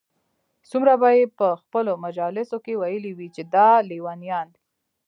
څومره به ئې په خپلو مجالسو كي ويلي وي چې دا ليونيان